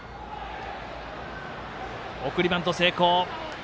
送りバント成功。